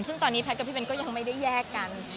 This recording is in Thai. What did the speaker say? ซึ่งตอนนี้แพทย์กับพี่เบ้นก็ยังไม่ได้แยกกัน